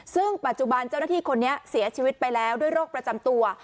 ซึ่งปัจจุบันเจ้าหน้าที่คนนี้เสียชีวิตไปแล้วด้วยโรคประจำตัว